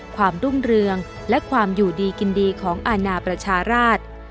ความรุ่งเรืองและความอยู่ดีกินดีของอาณาประชาราช